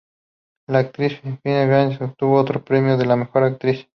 La actriz filipina Cherie Gil obtuvo otro premio a la Mejor Actriz.